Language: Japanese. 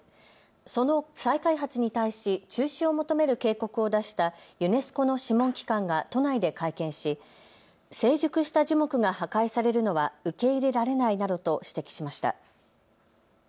その再開発に対し中止を求める警告を出したユネスコの諮問機関が都内で会見し成熟した樹木が破壊されるのは受け入れられないなどと指摘しました。